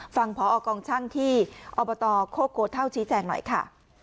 ฟังพอกองช่างที่อบตโคกโคเท่าชี้แจงหน่อยค่ะ